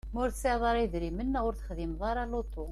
Ma ur tesɛiḍ ara idrimen neɣ ur texdimeḍ ara lutu.